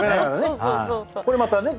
これまたね